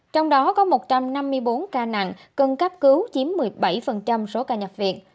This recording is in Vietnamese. trong đó có một trăm năm mươi bốn ca nặng cần cấp cứu chiếm một mươi bảy số ca nhập viện